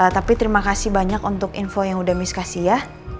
tapi terima kasih banyak untuk info yang udah miskasi ya